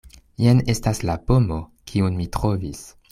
Jen estas la pomo, kiun mi trovis.